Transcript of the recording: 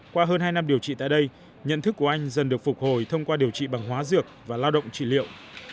qua hơn hai năm điều trị tại đây nhận thức của anh dần được phục hồi thông qua điều trị bằng hóa dược và lao động trị liệu